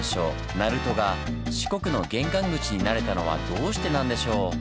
鳴門が四国の玄関口になれたのはどうしてなんでしょう？